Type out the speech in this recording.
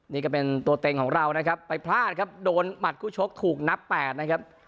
นี่ก็เป็นตัวเต็งของเรานะครับไปพลาดครับโดนหมัดคู่ชกถูกนับแปดนะครับ